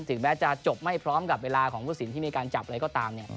ถึงแม้จะจบไม่พร้อมกับพลัคษณ์ที่มีการจับอะไรก็ตาม